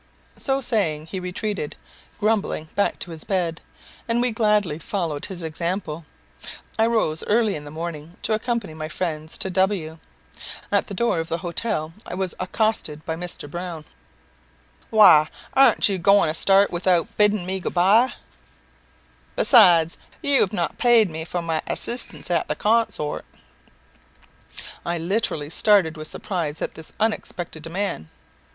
So saying he retreated, grumbling, back to his bed, and we gladly followed his example. I rose early in the morning to accompany my friends to W . At the door of the hotel I was accosted by Mr. Browne "Why, you arn't goin' to start without bidding me good bye? Besides, you have not paid me for my assistance at the con sort." I literally started with surprise at this unexpected demand.